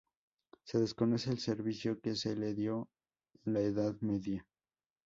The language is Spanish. Se desconoce el servicio que se le dio en la Edad Media.